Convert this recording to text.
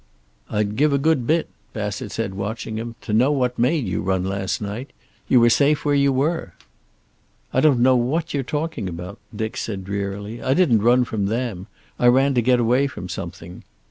"I'd give a good bit," Bassett said, watching him, "to know what made you run last night. You were safe where you were." "I don't know what you are talking about," Dick said drearily. "I didn't run from them. I ran to get away from something."